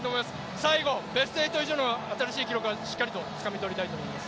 最後、ベスト８以上の新しい記録をしっかりとつかみ取りたいと思います。